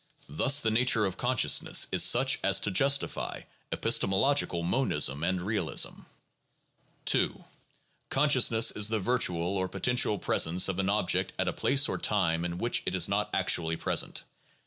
Thus the nature of consciousness is such as to justify epistemological monism and realism. (27, 29.) 2. Consciousness is the virtual or potential presence of an object at a place or time in which it is not actually present.